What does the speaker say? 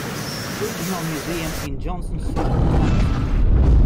Regional Museum in Johnson City, Tennessee.